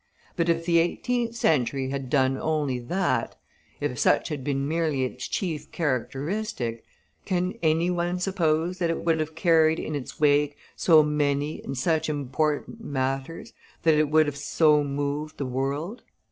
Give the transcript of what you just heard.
But if the eighteenth century had done only that, if such had been merely its chief characteristic, can any one suppose that it would have carried in its wake so many and such important matters, that it would have so moved the world?